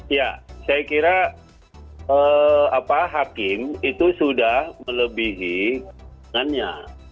ya saya kira hakim itu sudah melebihi keinginannya